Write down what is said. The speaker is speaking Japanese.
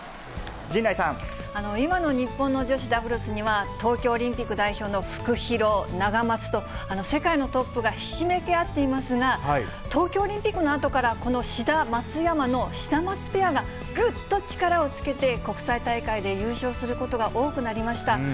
今の日本の女子ダブルスには、東京オリンピック代表のフクヒロ、ナガマツと、世界のトップがひしめき合っていますが、東京オリンピックのあとから、この志田・松山のシダマツペアが、ぐっと力をつけて、国際大会で優勝することが多くなりました。